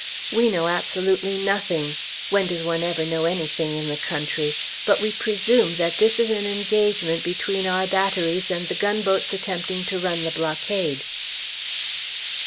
We know absolutely nothing; when does one ever know anything in the country? But we presume that this is an engagement between our batteries and the gunboats attempting to run the blockade.